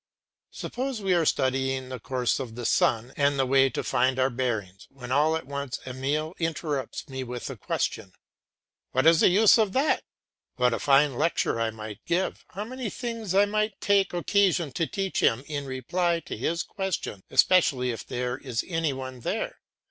Suppose we are studying the course of the sun and the way to find our bearings, when all at once Emile interrupts me with the question, "What is the use of that?" what a fine lecture I might give, how many things I might take occasion to teach him in reply to his question, especially if there is any one there.